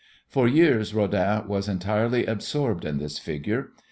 For years Rodin was entirely absorbed in this figure.